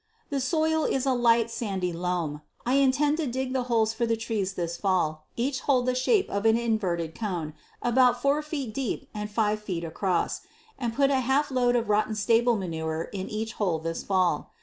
The soil is a light sandy loam. I intend to dig the holes for the trees this fall, each hole the shape of an inverted cone, about 4 feet deep and 5 feet across, and put a half load of rotten stable manure in each hole this fall.